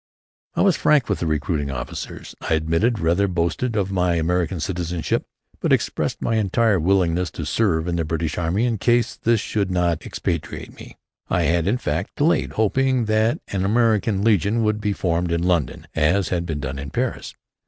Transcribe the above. I was frank with the recruiting officers. I admitted, rather boasted, of my American citizenship, but expressed my entire willingness to serve in the British army in case this should not expatriate me. I had, in fact, delayed, hoping that an American legion would be formed in London as had been done in Paris.